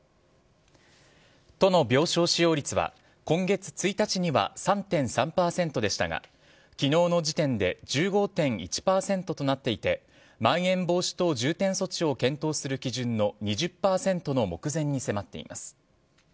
都の病床使用率は今月１日には３．３％でしたが昨日の時点で１５．１％となっていてまん延防止等重点措置を検討する基準の２０％の目前に迫っています。